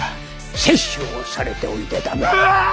殺生をされておいでだな。